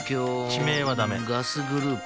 地名はダメガスグループ